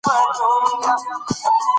ده د بې ضرورته وينې تويولو مخه نيوله.